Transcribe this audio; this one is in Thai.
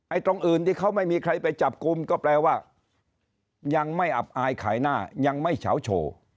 ตรงอื่นที่เขาไม่มีใครไปจับกลุ่มก็แปลว่ายังไม่อับอายขายหน้ายังไม่เฉาโชว์